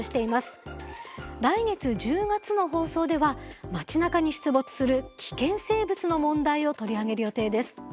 来月１０月の放送では街なかに出没する危険生物の問題を取り上げる予定です。